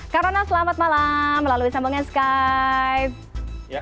karena selamat malam melalui sambungan skype